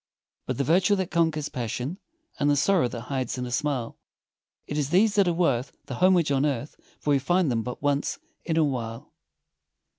But the virtue that conquers passion, And the sorrow that hides in a smile, It is these that are worth the homage on earth For we find them but once in a while.